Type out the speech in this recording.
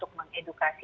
pertama tentunya edukasi